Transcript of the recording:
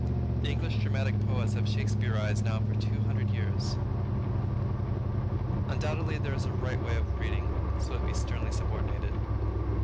The English dramatic poets have Shakspearized now for two hundred years. Undoubtedly there is a right way of reading, so it be sternly subordinated.